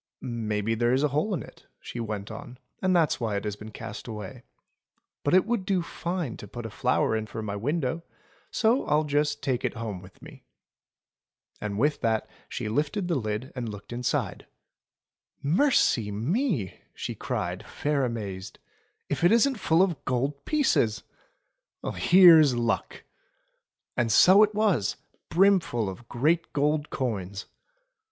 "Maybe there is a hole in it," she went on, "and that's why it has been cast away. But it would do fine to put a flower in for my window ; so I'll just take it home with me." And with that she lifted the lid and looked inside. 268 THE BOGEY BEAST 269 "Mercy me!" she cried, fair amazed. "If it isn't full of gold pieces. Here's luck!" And so it was, brimful of great gold coins.